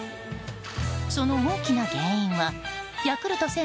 その大きな原因はヤクルト１０００